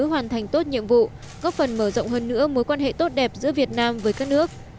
hoàn thành tốt nhiệm vụ góp phần mở rộng hơn nữa mối quan hệ tốt đẹp giữa việt nam với các nước